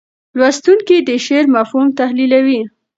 لوستونکي د شعر مفهوم تحلیلوي.